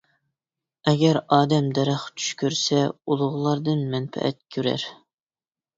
ئەگەر ئادەم دەرەخ چۈش كۆرسە، ئۇلۇغلاردىن مەنپەئەت كۆرەر.